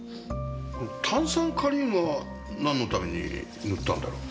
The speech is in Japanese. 炭酸カリウムはなんのために塗ったんだろう？